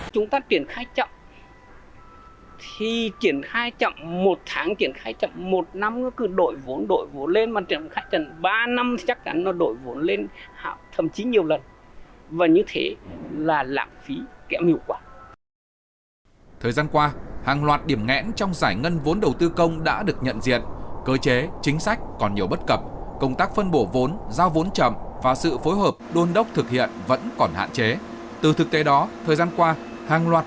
chúng ta triển khai chậm thì triển khai chậm một tháng triển khai chậm một năm nó cứ đổi vốn đổi vốn lên mà triển khai chậm ba năm thì chắc chắn nó đổi vốn lên thậm chí nhiều lần